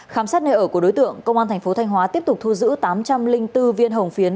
khám sát nơi ở của đối tượng công an tp thanh hóa tiếp tục thu giữ tám trăm linh bốn viên hồng phiến